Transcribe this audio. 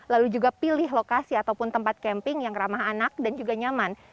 lalu juga pilih lokasi ataupun tempat camping yang ramah anak dan juga nyaman